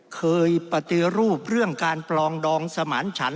ปฏิรูปเรื่องการปลองดองสมานฉัน